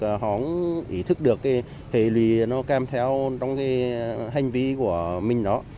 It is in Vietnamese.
họ không ý thức được cái hệ lý nó kèm theo trong cái hành vi của mình đó